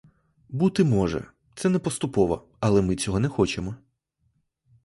Бути може, це не поступово, але ми цього не хочемо.